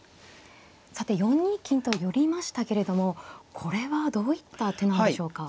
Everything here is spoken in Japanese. さて４二金と寄りましたけれどもこれはどういった手なんでしょうか。